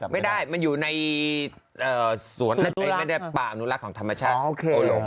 ไม่ได้มันอยู่ในศูนย์แม่งป่าพนุรักษณ์ของธรรมชาติโอลก